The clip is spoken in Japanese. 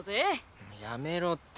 やめろって。